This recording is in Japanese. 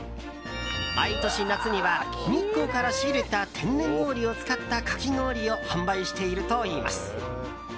毎年夏には日光から仕入れた天然氷を使った、かき氷を販売しているといいます。